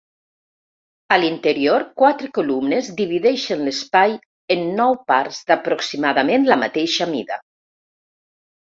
A l'interior quatre columnes divideixen l'espai en nou parts d'aproximadament la mateixa mida.